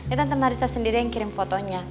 ini tante marisa sendiri yang kirim fotonya